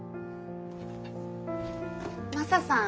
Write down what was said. マサさん